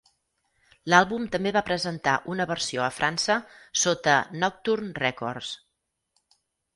L'àlbum també va presentar una versió a França sota Nocturne Records.